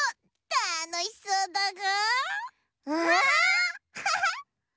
たのしそうだぐ！